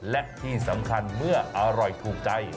และที่สำคัญเมื่ออร่อยถูกใจ